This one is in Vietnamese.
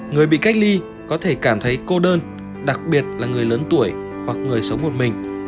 người bị cách ly có thể cảm thấy cô đơn đặc biệt là người lớn tuổi hoặc người sống một mình